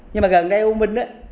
nhưng mà gần đây u minh đó